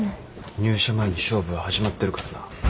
入社前に勝負は始まってるからな。